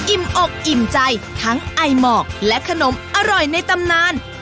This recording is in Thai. อกอิ่มใจทั้งไอหมอกและขนมอร่อยในตำนาน